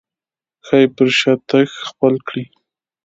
ښايي پر شا تګ خپل کړي.